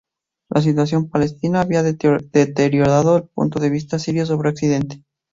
La situación palestina había deteriorado el punto de vista sirio sobre Occidente.